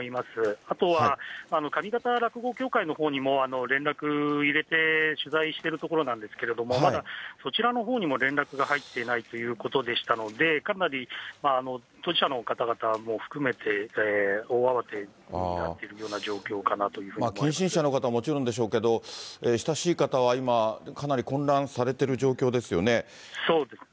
あとは上方落語協会のほうにも連絡入れて、取材しているところなんですけれども、まだそちらのほうにも連絡が入ってないということでしたので、かなり当事者の方々も含めて大慌てになっているような状況かなと近親者の方はもちろんでしょうけど、親しい方は今、かなり混乱されてる状況ですよね。